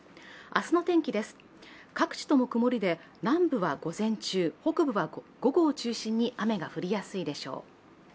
明日の天気です、各地とも曇りで南部は午前中、北部は午後を中心に雨が降りやすいでしょう。